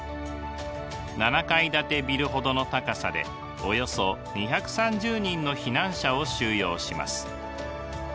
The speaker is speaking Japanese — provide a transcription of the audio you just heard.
７階建てビルほどの高さでおよそ２３０人の避難者を収容します。